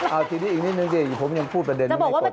เอาทีนี้อีกนิดนึงสิผมยังพูดประเด็นไม่ได้กดจบเลย